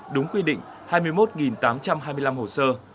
đúng quy định hai mươi một tám trăm hai mươi năm hồ sơ